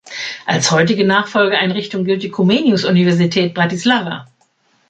Als heutige Nachfolgeeinrichtung gilt die Comenius-Universität Bratislava.